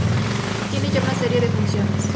tiene ya una serie de funciones